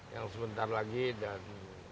yang sebentar lagi dan